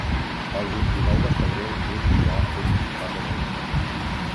El vint-i-nou de febrer en Gil irà a visitar mon oncle.